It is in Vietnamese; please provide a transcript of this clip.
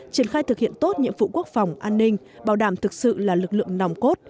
triển khai thực hiện tốt nhiệm vụ quốc phòng an ninh bảo đảm thực sự là lực lượng nòng cốt